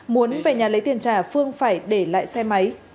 muốn về nhà lấy tiền trả phương phải để lại xe máy